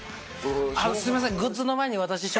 あのすいません。